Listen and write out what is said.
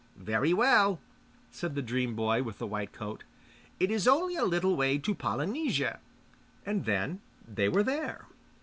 'Very well,' said the dream boy with the white coat, 'it is only a little way to Polynesia' and then they were there.